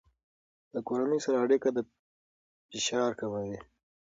له کورنۍ سره اړیکه د فشار کموي.